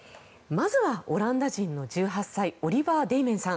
まずは、オランダ人の１８歳オリバー・デイメンさん。